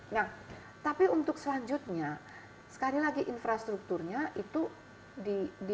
nah tapi untuk selanjutnya sekali lagi infrastrukturnya itu di